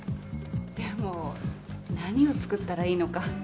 でも何を作ったらいいのか。